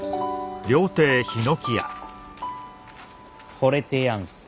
ほれてやんすね